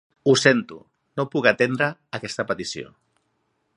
Ho sento, no puc atendre aquesta petició.